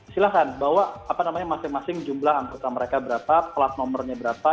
silahkan bawa apa namanya masing masing jumlah anggota mereka berapa plat nomornya berapa